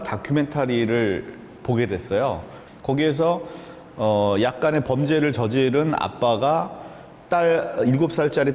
di dokumentasi itu saya melihat seorang ayah yang menjalankan beberapa hal yang menyebabkan kejahatan